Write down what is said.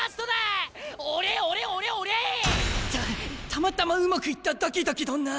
たまたまうまくいっただけだけどな！